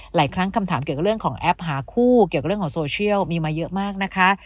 หลายครั้งคำถามเกี่ยวกับเรื่องของแอปหาคู่เกี่ยวกับเรื่องของโซเชียลมีมาเยอะมากนะคะ